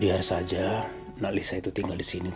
biar saja nak lisa itu tinggal di sini